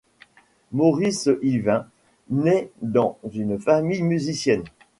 Maurice Yvain naît dans une famille musicienne.